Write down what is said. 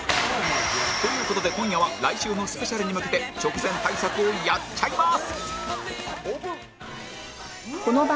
という事で今夜は来週のスペシャルに向けて直前対策をやっちゃいます！